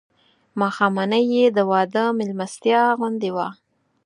ماښامنۍ یې د واده مېلمستیا غوندې وه.